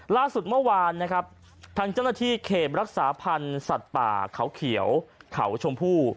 ล่าสุดเมื่อวานนะครับทางเจ้าหน้าที่เขตรักษาพันธ์สัตว์ป่าเขาเขียวเขาชมพู่